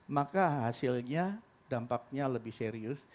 maka hasilnya dampaknya lebih serius